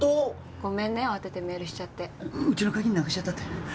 ごめんね慌ててメールしちゃってウチの鍵なくしちゃったって？